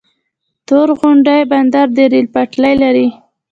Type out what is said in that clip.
تورغونډۍ بندر د ریل پټلۍ لري؟